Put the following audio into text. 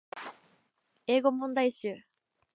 英語問題集